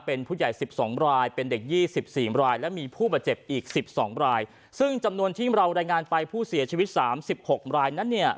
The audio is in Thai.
เป็นผู้ใหญ่สิบสองรายเป็นเด็กยี่สิบสี่รายและมีผู้บาดเจ็บอีกสิบสองรายซึ่งจำนวนที่เรารายงานไปผู้เสียชีวิตสามสิบหกรายนั้นเนี่ย